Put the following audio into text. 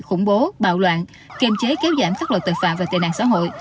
khủng bố bạo loạn kiềm chế kéo giảm các loại tội phạm và tệ nạn xã hội